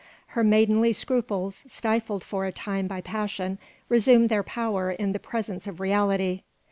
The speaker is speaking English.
Her maidenly scruples, stifled for a time by passion, resumed their power in the presence of reality.